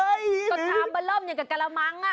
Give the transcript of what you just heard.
เฮ้ยตอนทำมาเริ่มอย่างกับกะละมัง